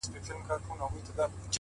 زما مور. دنيا هېره ده.